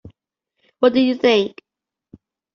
What did you think?